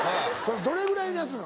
どれぐらいのやつなの？